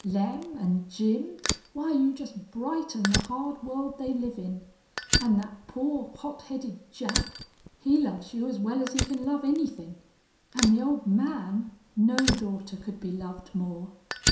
Lem an' Jim why you just brighten the hard world they live in. An' that poor, hot headed Jack he loves you as well as he can love anythin'. An' the old man no daughter could be loved more....